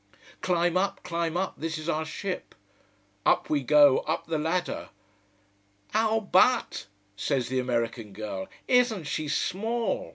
Climb up, climb up, this is our ship. Up we go, up the ladder. "Oh but!" says the American girl. "Isn't she small!